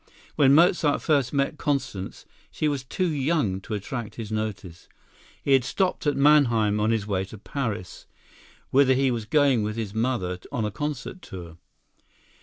When Mozart first met Constance, she was too young to attract his notice. He had stopped at Mannheim on his way to Paris, whither he was going with his mother on a concert tour.